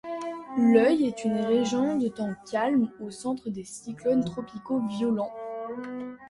L'œil est une région de temps calme au centre de cyclones tropicaux violents.